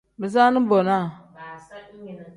Bisaani bonaa.